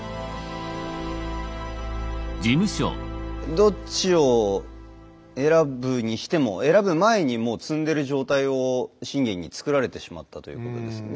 どっちを選ぶにしても選ぶ前にもう詰んでる状態を信玄に作られてしまったということですよね。